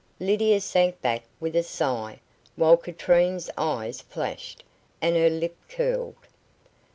Lydia sank back with a sigh, while Katrine's eyes flashed, and her lip curled.